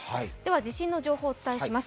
地震の情報をお伝えします。